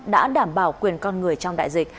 đã đảm bảo quyền con người trong đại dịch